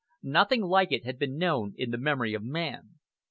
Nothing like it had been known in the memory of man.